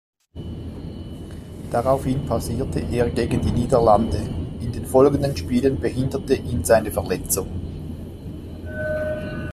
Daraufhin pausierte er gegen die Niederlande, in den folgenden Spielen behinderte ihn seine Verletzung.